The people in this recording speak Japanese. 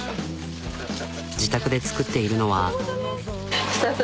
自宅で作っているのは。